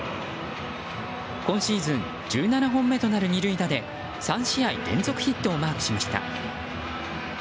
今シーズン１７本目となる２塁打で３試合連続ヒットをマークしました。